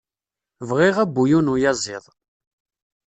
Bɣiɣ abuyun n uyaziḍ.